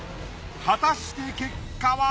果たして結果は？